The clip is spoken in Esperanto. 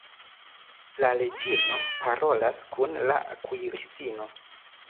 La reĝino parolas kun la kuiristino.